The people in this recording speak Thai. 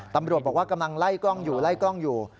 ตำรวจบอกว่ากำลังไล่กล้องอยู่อยู่